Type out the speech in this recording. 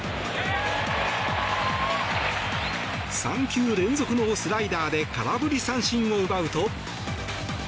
３球連続のスライダーで空振り三振を奪うと。